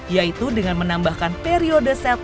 yaitu dengan menambahkan periode settlement yang lebih cepat